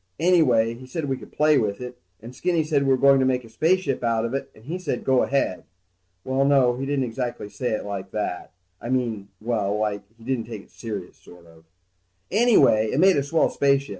Anyway he said we could play with it, and Skinny said we were going to make a spaceship out of it, and he said go ahead. Well, no, he didn't say it exactly like that. I mean, well, like he didn't take it serious, sort of. Anyway, it made a swell spaceship.